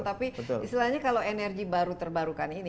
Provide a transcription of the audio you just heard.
tapi istilahnya kalau energi baru terbarukan ini